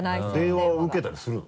電話を受けたりするの？